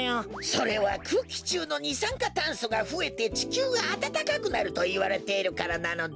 それはくうきちゅうのにさんかたんそがふえてちきゅうがあたたかくなるといわれているからなのだ。